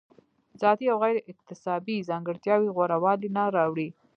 ذاتي او غیر اکتسابي ځانګړتیاوې غوره والی نه راوړي.